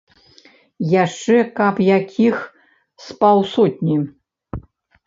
Яшчэ каб якіх з паўсотні.